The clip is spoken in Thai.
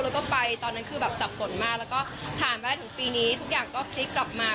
แล้วก็ไฟตอนนั้นคือแบบสับสนมากแล้วก็ผ่านไปถึงปีนี้ทุกอย่างก็พลิกกลับมา